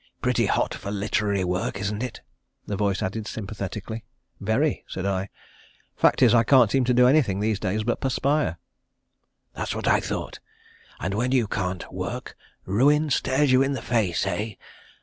"Pretty hot for literary work, isn't it?" the voice added sympathetically. "Very," said I. "Fact is I can't seem to do anything these days but perspire." "That's what I thought; and when you can't work ruin stares you in the face, eh?